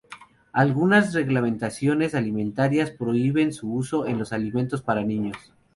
Algunas reglamentaciones alimentarias prohíben su uso en los alimentos para niños.